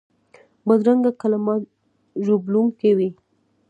بدرنګه کلمات ژوبلونکي وي